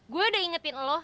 gue udah ingetin lo